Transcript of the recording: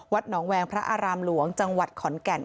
หนองแวงพระอารามหลวงจังหวัดขอนแก่น